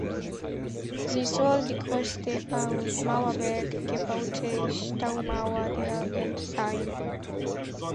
Sie soll die größte aus Mauerwerk gebaute Staumauer der Welt sein.